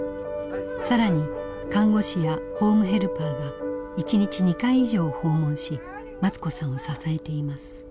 更に看護師やホームヘルパーが１日２回以上訪問しマツ子さんを支えています。